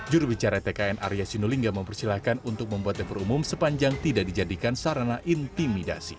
jurubicara tkn arya sinulinga mempersilahkan untuk membuat dapur umum sepanjang tidak dijadikan sarana intimidasi